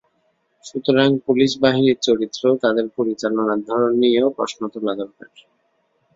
সুতরাং পুলিশ বাহিনীর চরিত্র ও তাদের পরিচালনার ধরন নিয়েও প্রশ্ন তোলা দরকার।